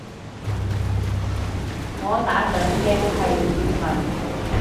我打緊嘅係粵文